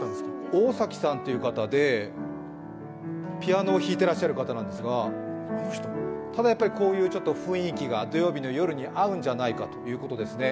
大嵜さんという方で、ピアノを弾いていらっしゃる方なんですが、ただやっぱりこういう雰囲気が土曜日の夜に合うんじゃないかということですね。